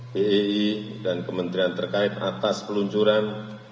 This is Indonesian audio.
bei dan kementerian terkait atas peluncuran